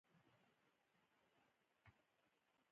شريف د سپين کميس لاندې لاس تېر کړ.